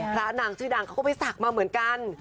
พระนางชื่อดังเขาก็ไปศักดิ์มาเหมือนกัน